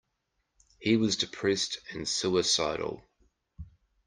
He was depressed and suicidal.